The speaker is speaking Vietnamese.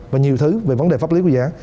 và nhiều thứ về vấn đề pháp lý của giá